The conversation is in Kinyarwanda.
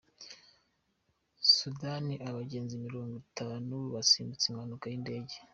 Sudani Abagenzi mirongwitanu basimbutse impanuka y’indege